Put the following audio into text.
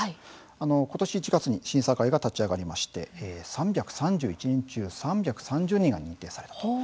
ことし１月に審査会が立ち上がりまして３３１人中３３０人が認定されたと。